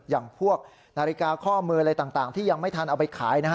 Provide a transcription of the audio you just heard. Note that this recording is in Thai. อย่างพวกนาฬิกาข้อมืออะไรต่างที่ยังไม่ทันเอาไปขายนะฮะ